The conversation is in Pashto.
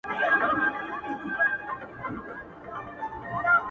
او د خلکو ټول ژوندون په توکل وو -